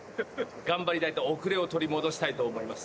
頑張りたいと、遅れを取り戻したいと思います。